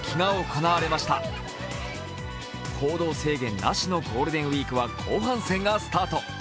行動制限なしのゴールデンウイークは後半戦がスタート。